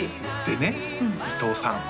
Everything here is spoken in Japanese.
でね伊東さん